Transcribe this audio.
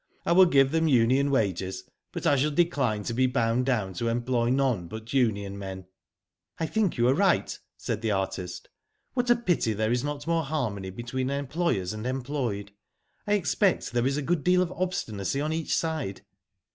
I will give them union wages; but I shall decline to be bound down to employ none but union men." "I think you are right," said the artist. ''What a pity there is not more harmony between em ployers and employed. I expect there is a good deal of obstinacy on each side."